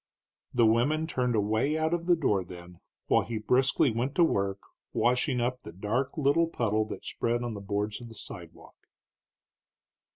The women turned away out of the door then, while he briskly went to work washing up the dark little puddle that spread on the boards of the sidewalk.